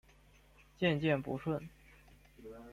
渐渐不顺